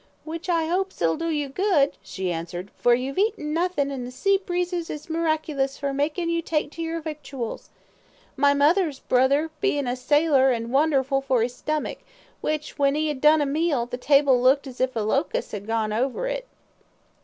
"Which I 'opes it 'ull do you good," she answered, "for you've eaten nothin', an' the sea breezes is miraculous for makin' you take to your victuals. My mother's brother, bein' a sailor, an' wonderful for 'is stomach, which, when 'e 'ad done a meal, the table looked as if a low cuss had gone over it."